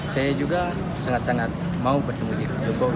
saya juga sangat sangat mau bertemu dengan jokowi